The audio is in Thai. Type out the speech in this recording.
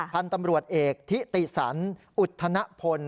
พันธ์ตำรวจเอกที่ติศัณธ์อุทธนะพล